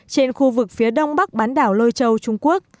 trên khu vực phía đông bắc bán đảo